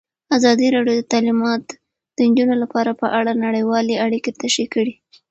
ازادي راډیو د تعلیمات د نجونو لپاره په اړه نړیوالې اړیکې تشریح کړي.